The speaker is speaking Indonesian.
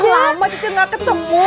udah lama cici gak ketemu